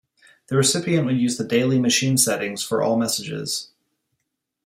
The recipient would use the daily machine settings for all messages.